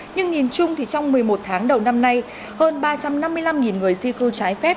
nhưng nhìn chung thì trong một mươi một tháng đầu năm nay hơn ba trăm năm mươi năm người di cư trái phép